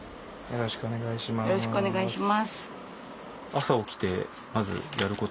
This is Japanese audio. よろしくお願いします。